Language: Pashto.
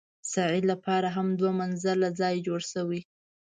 سعې لپاره هم دوه منزله ځای جوړ شوی.